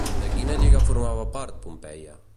De quina lliga formava part Pompeia?